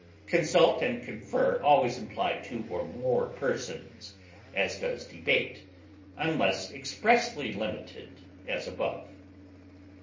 Consult and confer always imply two or more persons, as does debate, unless expressly limited as above.